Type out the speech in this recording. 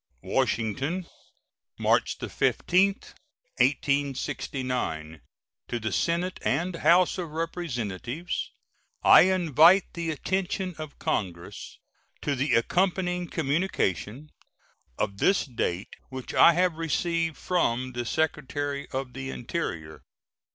WASHINGTON, March 15, 1869. To the Senate and House of Representatives: I invite the attention of Congress to the accompanying communication of this date, which I have received from the Secretary of the Interior.